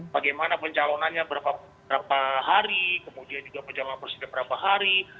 bagaimana pencalonannya berapa hari kemudian juga pencalonan presiden berapa hari